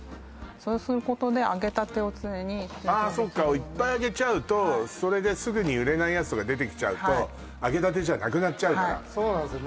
そうすることで揚げたてを常にああそっかいっぱい揚げちゃうとそれですぐに売れないやつとか出てきちゃうと揚げたてじゃなくなっちゃうからそうなんですよ